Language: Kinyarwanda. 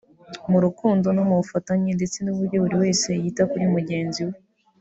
mu rukundo no mu bufatanye ndetse n’uburyo buri wese yita kuri mugenzi we